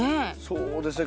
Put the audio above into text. そうですね